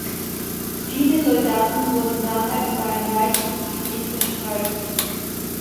Viele Soldaten wurden daher über ein weites Gebiet verstreut.